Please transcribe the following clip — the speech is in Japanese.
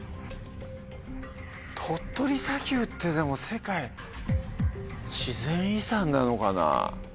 鳥取砂丘ってでも世界自然遺産なのかな？